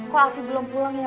kok alfie belum pulang ya